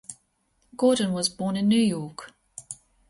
Gordon was born in New York.